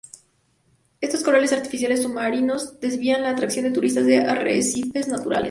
Estos corales artificiales submarinos desvían la atracción de turistas de arrecifes naturales.